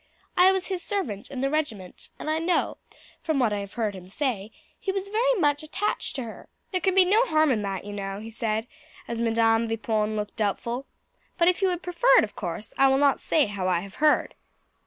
I was his servant in the regiment, and I know, from what I have heard him say, he was very much attached to her. There can be no harm in that, you know," he said, as Madam Vipon looked doubtful; "but if you would prefer it, of course I will not say how I have heard."